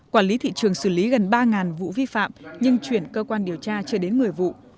quản lý thị trường xử lý gần ba vụ vi phạm nhưng chuyển cơ quan điều tra chưa đến một mươi vụ